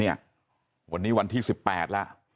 เนี่ยวันนี้วันที่๑๘ละ